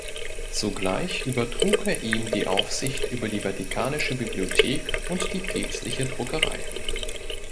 Zugleich übertrug er ihm die Aufsicht über die vatikanische Bibliothek und die päpstliche Druckerei.